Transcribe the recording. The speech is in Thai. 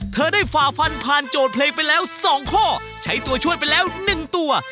เธอได้ฝ่าฟันผ่านโจทย์เพลงไปแล้ว๒ข้อใช้ตัวช่วยไปแล้ว๑ตัว